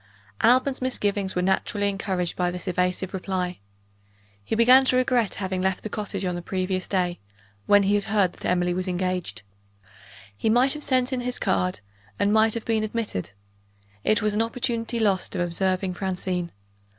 Alban's misgivings were naturally encouraged by this evasive reply. He began to regret having left the cottage, on the previous day, when he had heard that Emily was engaged. He might have sent in his card, and might have been admitted. It was an opportunity lost of observing Francine.